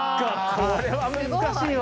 これは難しいわ。